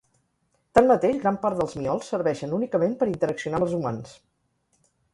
Tanmateix, gran part dels miols serveixen únicament per interaccionar amb els humans.